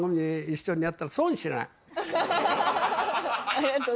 ありがとう。